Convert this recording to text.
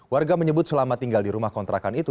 warga menyebut selama tinggal di rumah kontrakan itu